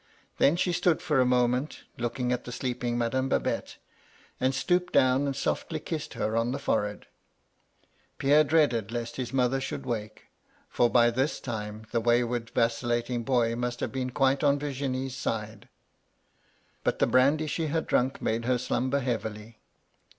Then she stood for a moment, looking at the sleeping Madame Babette, and stooped down and softly kissed her on the forhead. Pierre dreaded lest his mother should awake (for by this time the way , ward, Tacillating boy must have been quite on Yirginie's side), but the brandy she had drank made her slumber heavily.